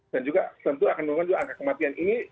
dan juga tentu akan menurunkan juga angka kematian ini